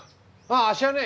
ああっしはね